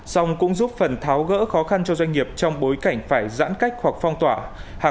xong cũng giúp phần tháo gỡ khó khăn cho doanh nghiệp trong bối cảnh phải giãn cách hoặc phong tỏa